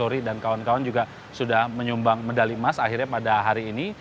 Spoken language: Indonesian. polri dan kawan kawan juga sudah menyumbang medali emas akhirnya pada hari ini